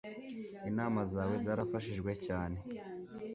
Inama zawe zarafashijwe cyane